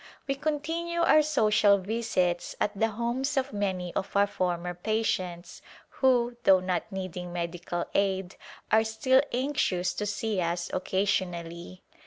We continue our social visits at the homes of many of our former patients who, though not needing medical aid, are still anxious to see us occasionally.